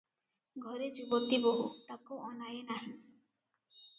ଘରେ ଯୁବତୀ ବୋହୂ, ତାକୁ ଅନାଏ ନାହିଁ ।